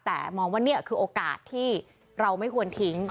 แต่มองว่านี่คือโอกาสที่เราไม่ควรทิ้ง